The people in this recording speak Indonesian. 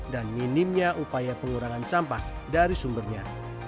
dan minimnya upaya pengurangan sampah dari sumbernya